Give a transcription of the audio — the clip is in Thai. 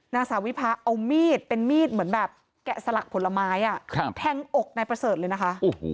นางสาวิพาเอามีดเป็นมีดเหมือนแบบแกะสลักผลไม้แทงอกนายประเสริฐเลยนะคะ